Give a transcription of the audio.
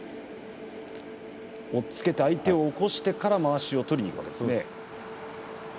押っつけて相手を起こしてからまわしを取りにいくんですね。